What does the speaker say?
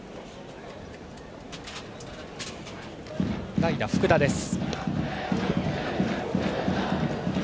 代打、福田です。